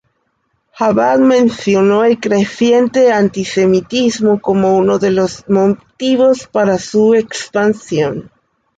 Jabad mencionó el creciente antisemitismo como uno de los motivos para su expansión.